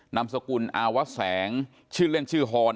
นามสกุลอาวะแสงชื่อเล่นชื่อฮอน